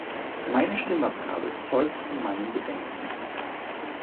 Meine Stimmabgabe zeugt von meinen Bedenken.